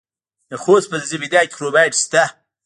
د خوست په ځاځي میدان کې کرومایټ شته.